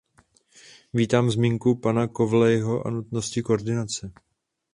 Vítám zmínku pana Crowleyho o nutnosti koordinace.